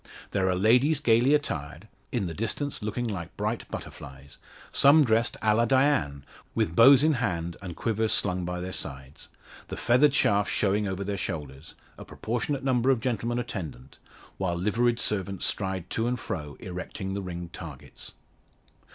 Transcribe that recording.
There are ladies gaily attired in the distance looking like bright butterflies some dressed a la Diane, with bows in hand, and quivers slung by their sides, the feathered shafts showing over their shoulders; a proportionate number of gentlemen attendant; while liveried servants stride to and fro erecting the ringed targets.